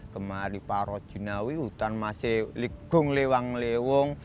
kemari paro jinawi hutan masih ligung lewang lewung